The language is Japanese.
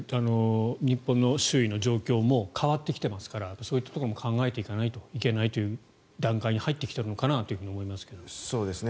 日本の周囲の状況も変わってきていますからそういったことも考えていかないといけない段階に入ってきたのかなと思いますが。